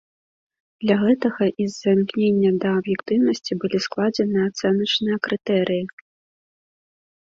Для гэтага і з-за імкнення да аб'ектыўнасці былі складзеныя ацэначныя крытэрыі.